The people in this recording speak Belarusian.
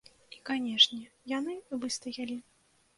І, канешне, яны выстаялі.